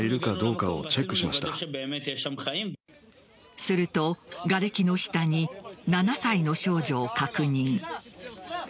するとがれきの下に７歳の少女を確認。